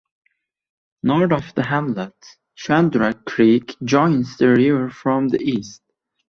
North of the hamlet, Chenunda Creek joins the river from the east.